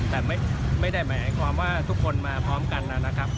แต่ไม่ได้หมายความว่าทุกคนมาพร้อมกันนะครับ